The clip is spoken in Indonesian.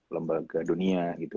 lembaga dunia gitu